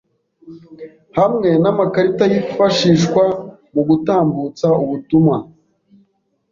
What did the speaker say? hamwe n’amakarita yifashiswa mu gutambutsa ubutumwa